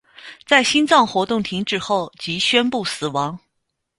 在心脏活动停止后即宣布死亡。